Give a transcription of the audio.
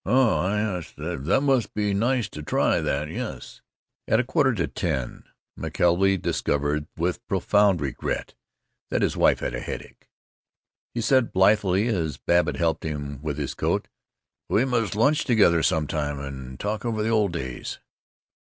"Oh, I Yes. That must be nice to try that. Yes." At a quarter to ten McKelvey discovered with profound regret that his wife had a headache. He said blithely, as Babbitt helped him with his coat, "We must lunch together some time and talk over the old days."